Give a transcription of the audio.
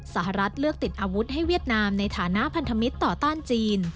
สหรัฐเลือกติดอาวุธให้เวียดนามในฐานะพันธมิตรต่อต้านจีน